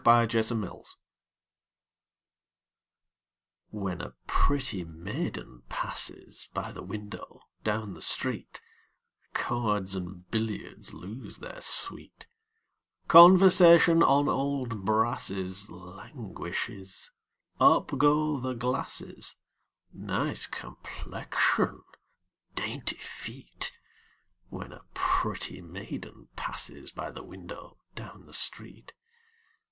Y Z At the Club When a pretty maiden passes By the window down the street, Cards and billiards lose their sweet; Conversation on old brasses Languishes; up go the glasses: "Nice complexion!" "Dainty feet!" When a pretty maiden passes By the window down the street.